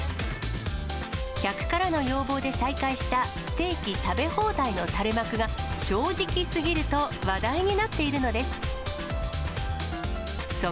客からの要望で再会した、ステーキ食べ放題の垂れ幕が、正直すぎると話題になっているのです。